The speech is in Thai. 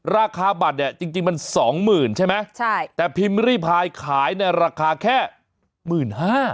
ราคาบัตรเนี่ยจริงมันสองหมื่นใช่ไหมใช่แต่พิมพ์ริพายขายในราคาแค่หมื่นห้า